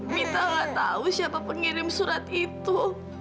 minta nggak tahu siapa pengirim surat itu